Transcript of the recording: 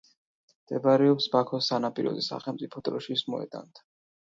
მდებარეობს ბაქოს სანაპიროზე, სახელმწიფო დროშის მოედანთან.